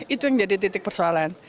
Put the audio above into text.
itu yang jadi titik persoalan